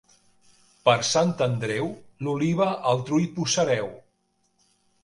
Per Sant Andreu, l'oliva al trull posareu.